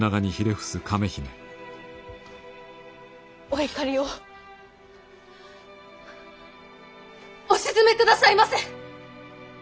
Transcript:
お怒りをお静めくださいませ！